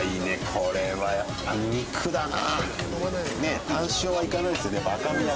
これはやっぱ肉だな。